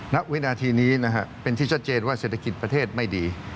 ณวินาทีนี้นะฮะเป็นที่ชัดเจนว่าเศรษฐกิจประเทศไม่ดี